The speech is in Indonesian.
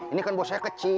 ini kan bos saya kecil